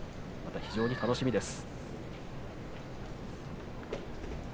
非常に楽しみです。